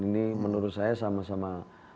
ini menurut saya sama sama